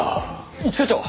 一課長！